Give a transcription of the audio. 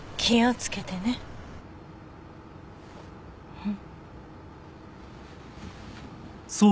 うん。